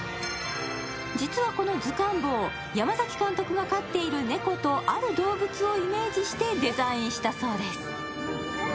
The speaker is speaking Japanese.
実はこの図鑑坊、山崎監督が飼っている猫とある動物をイメージしてデザインしたそうです。